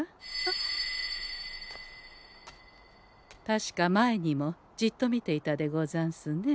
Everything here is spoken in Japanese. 確か前にもじっと見ていたでござんすね。